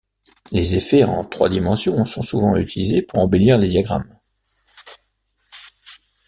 Les effets en trois dimensions sont souvent utilisés pour embellir les diagrammes.